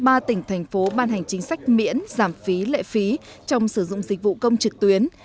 thủ tướng chính phủ đã ban hành chính sách miễn giảm phí lệ phí trong sử dụng dịch vụ công trực tuyến